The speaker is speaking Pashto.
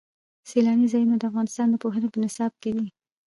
سیلاني ځایونه د افغانستان د پوهنې په نصاب کې دي.